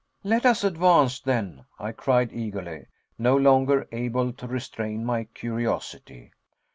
"Let us advance, then," I cried eagerly, no longer able to restrain my curiosity.